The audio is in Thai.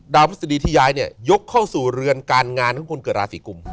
พฤษฎีที่ย้ายเนี่ยยกเข้าสู่เรือนการงานของคนเกิดราศีกุม